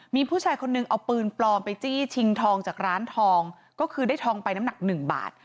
มีผู้ชายคนนึงเอาปืนปลอมไปจี้ชิงทองจากร้านทองก็คือได้ทองไปน้ำหนักหนึ่งบาท